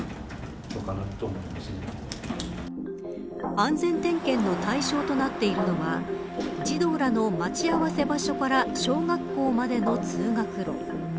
安全点検の対象となっているのは児童らの待ち合わせ場所から小学校までの通学路。